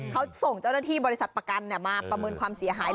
เขาส่งเจ้าหน้าที่บริษัทประกันมาประเมินความเสียหาย